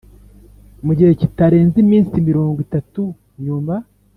Mu gihe kitarenze iminsi mirongo itatu nyuma